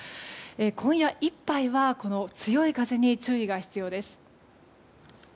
今夜いっぱいはこの強い風に注意が必要です。